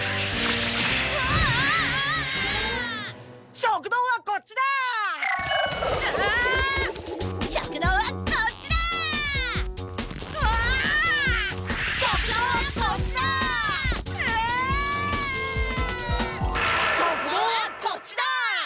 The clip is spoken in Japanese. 食堂はこっちだ！